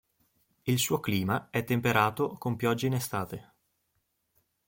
Il suo clima è temperato con piogge in estate.